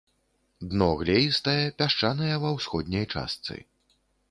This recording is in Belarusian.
Дно глеістае, пясчанае ва ўсходняй частцы.